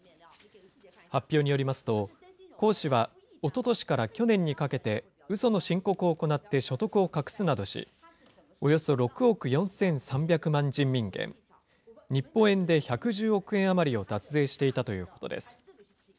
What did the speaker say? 発表によりますと、黄氏はおととしから去年にかけて、うその申告を行って所得を隠すなどし、およそ６億４３００万人民元、日本円で１１０億円余りを脱税していたということです。